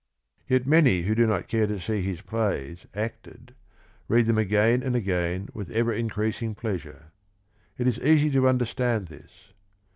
Yet many who do not care to see his plays acted read them again and again with ever increasing pleasure. It is easy to understand this.